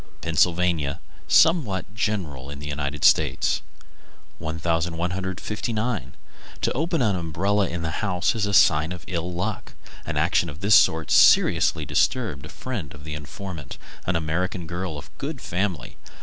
Pennsylvania; somewhat general in the United States. 1159. To open an umbrella in the house is a sign of ill luck. An action of this sort seriously disturbed a friend of the informant, an American girl of good family.